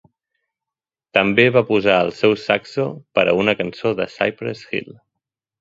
També va posar el seu saxo per a una cançó de Cypress Hill.